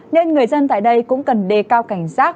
nên người dân tại đây cũng cần đề cao cảnh giác